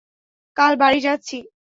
কাল বাড়ি যাচ্ছি।